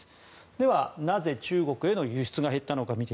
では、なぜ中国への輸出が減ったのか。